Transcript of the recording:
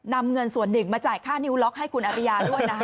นำเงินส่วนหนึ่งมาจ่ายค่านิ้วล็อกให้คุณอริยาด้วยนะคะ